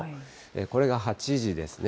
これが８時ですね。